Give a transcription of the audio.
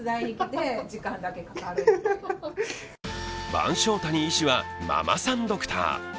番匠谷医師はママさんドクター。